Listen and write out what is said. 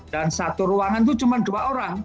dan satu ruangan itu cuma dua orang